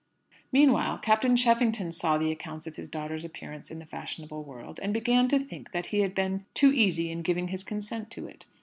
Meanwhile, Captain Cheffington saw the accounts of his daughter's appearance in the fashionable world, and began to think that he had been too easy in giving his consent to it.